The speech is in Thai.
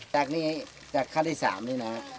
จากนี้จากขั้นที่๓นี่นะ